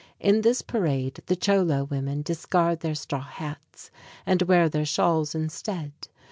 In this parade, the Cholo women discard their straw hats and wear their shawls instead.